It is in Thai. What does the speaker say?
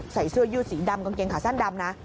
เสื้อยืดสีดำกางเกงขาสั้นดำนะ